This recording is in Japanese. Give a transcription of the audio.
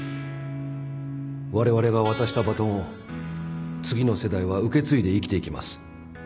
われわれが渡したバトンを次の世代は受け継いで生きていきます。